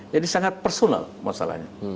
jadi sangat personal masalahnya